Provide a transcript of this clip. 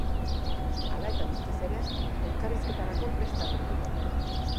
Hala eta guztiz ere, elkarrizketarako prest agertu da.